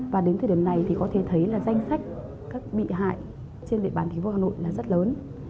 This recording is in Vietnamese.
và đến thời điểm này thì có thể thấy là danh sách các bị hại trên địa bàn thành phố hà nội là rất lớn